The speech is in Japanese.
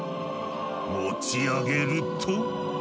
持ち上げると。